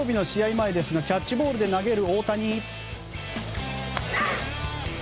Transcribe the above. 前ですがキャッチボールで投げる大谷。